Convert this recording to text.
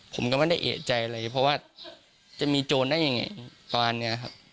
ผมก็ไม่ได้เอกใจอะไรเพราะว่าจะมีโจรได้ยังไงประมาณนี้ครับ